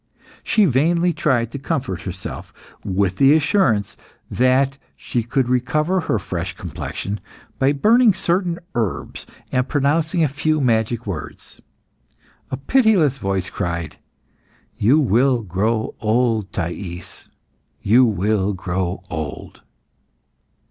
She vainly tried to comfort herself with the assurance that she could recover her fresh complexion by burning certain herbs and pronouncing a few magic words. A pitiless voice cried, "You will grow old Thais; you will grow old."